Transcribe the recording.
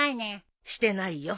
してないよ。